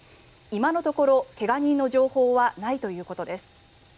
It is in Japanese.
今のところ、怪我人の情報はないということです。